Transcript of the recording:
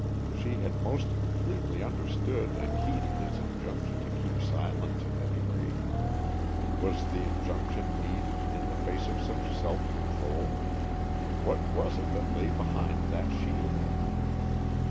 She had most completely understood and heeded his injunction to keep silence, at any rate. Was the injunction needed, in the face of such self control? What was it that lay behind that shield?